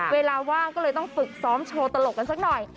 เวลาว่างก็เลยต้องฝึกซ้อมโชว์ตลกกันสักหน่อย